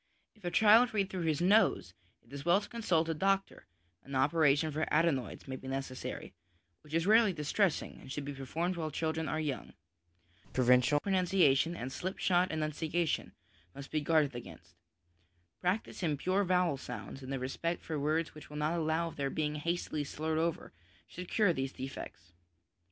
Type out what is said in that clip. If a child read through his nose, it is well to consult a doctor; an operation for adenoids may be necessary, which is rarely distressing, and should be performed while children are young. Provincial pronunciation and slipshod enunciation must be guarded against. Practice in pure vowel sounds, and the respect for words which will not allow of their being hastily slurred over, should cure these defects.